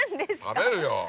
食べるよ。